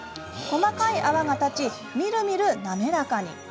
細かい泡が立ちみるみる滑らかに。